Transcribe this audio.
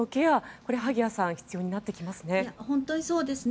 これ、萩谷さん必要になってきますね。